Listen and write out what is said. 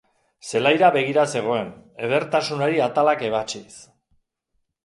Zelaira begira zegoen, edertasunari atalak ebatsiz.